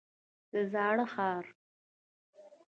د زاړه ښار.